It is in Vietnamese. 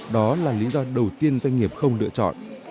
đó là lý do đầu tiên doanh nghiệp không lựa chọn